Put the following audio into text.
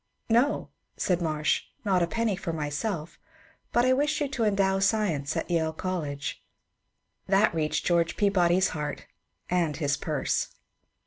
" No,'* said Marsh, *^ not a penny for myself, but I wish you to endow Science at Yale College." That reached George Peabody's heart and his purse.